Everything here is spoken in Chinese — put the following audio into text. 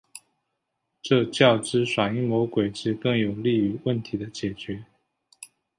这较之耍阴谋诡计更有利于问题的解决。